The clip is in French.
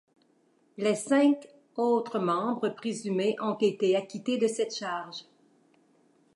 Les cinq autres membres présumés ont été acquittés de cette charge.